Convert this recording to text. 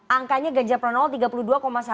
angkanya ganjar pranowo tiga puluh dua satu